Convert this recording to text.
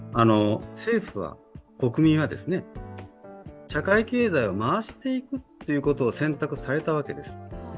政府は、国民は、社会経済を回していくことを選択されたわけです。